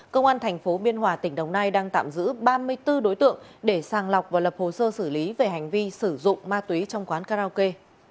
công an thành phố biên hòa tỉnh đồng nai đang tạm giữ ba mươi bốn đối tượng để sàng lọc và lập hồ sơ xử lý về hành vi sử dụng ma túy trong quán karaoke